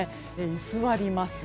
居座ります。